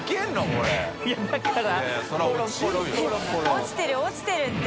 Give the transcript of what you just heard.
落ちてる落ちてるって。